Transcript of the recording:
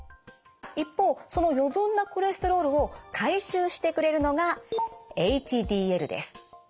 一方その余分なコレステロールを回収してくれるのがＨＤＬです。